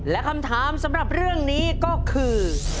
และคำถามสำหรับเรื่องนี้ก็คือ